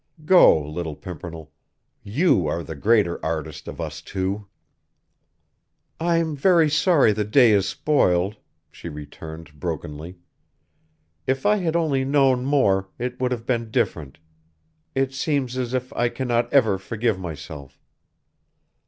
Go, little Pimpernel, you are the greater artist of us two!" "I'm very sorry the day is spoiled," she returned brokenly; "if I had only known more, it would have been different. It seems as if I cannot ever forgive myself."